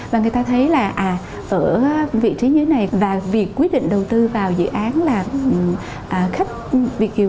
và người ta thấy là ở vị trí như này và việc quyết định đầu tư vào dự án là khách việt kiều